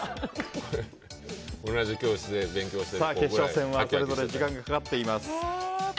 決勝戦はそれぞれ時間がかかっています。